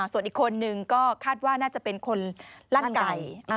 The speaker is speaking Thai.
ส่วนอีกคนนึงก็คาดว่าน่าจะเป็นคนลั่นไก่